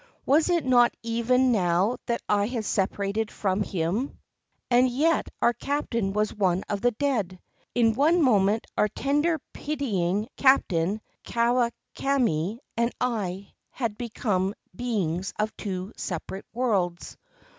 Was it not even now that I had separated from him? And yet our captain was one of the dead. In one moment our tender, pitying Captain Kawakami and I had become beings of two separate worlds.